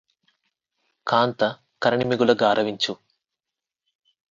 కాంత కరణి మిగుల గారవించు